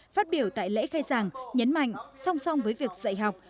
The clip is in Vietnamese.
phát biểu tại lễ khai giảng nhấn mạnh song song với việc dạy học